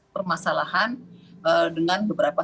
permasalahan dengan beberapa